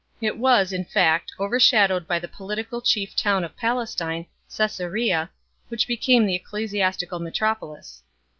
It was in fact overshadowedJ>y the political chief town of Palestine, Csesarea, which became the ecclesiastical metropolis.